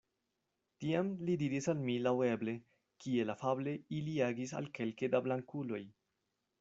Tiam li diris al mi laŭeble, kiel afable ili agis al kelke da blankuloj.